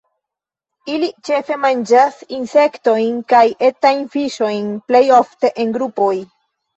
Ili ĉefe manĝas insektojn kaj etajn fiŝojn, plej ofte en grupoj.